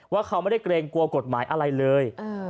ว่าเขาไม่ได้เกรงกลัวกฎหมายอะไรเลย